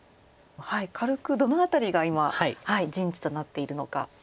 軽くどの辺りが今陣地となっているのか。